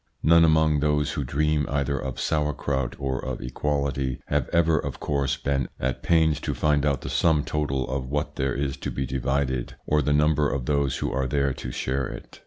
None among those who dream either of sauerkraut or of equality have ever of course been at pains to find out the sum total of what there is to be divided or the number of those who are there to share it.